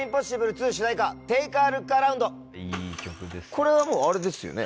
これはもうあれですよね？